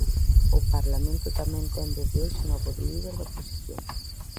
O Parlamento tamén ten desde hoxe novo líder da oposición.